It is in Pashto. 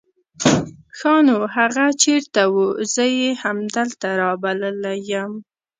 ښا نو هغه چېرته وو؟ زه يې همدلته رابللی يم.